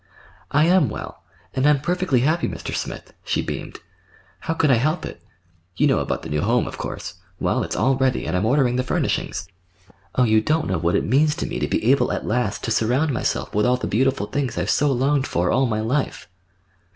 "I am well, and I'm perfectly happy, Mr. Smith," she beamed. "How could I help it? You know about the new home, of course. Well, it's all ready, and I'm ordering the furnishings. Oh, you don't know what it means to me to be able at last to surround myself with all the beautiful things I've so longed for all my life!"